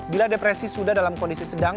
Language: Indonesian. bila depresi sudah dalam kondisi sedang